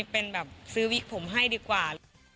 เป็นแบบซื้อวิกผมให้ดีกว่า